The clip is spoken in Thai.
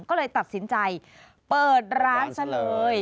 ก็เลยตัดสินใจเปิดร้านซะเลย